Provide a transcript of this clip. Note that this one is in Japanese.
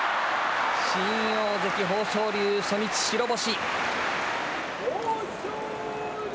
新大関・豊昇龍、初日白星。